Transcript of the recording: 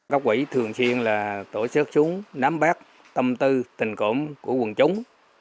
các quỹ thường xuyên là tổ chức chúng nắm bắt tâm tư tình cổng của quân chúng